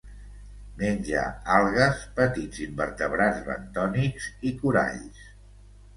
Menja algues, petits invertebrats bentònics i coralls.